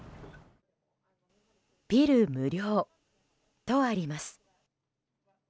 ピル無料とあります。